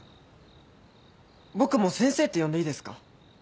僕も先生って呼んでいいですか？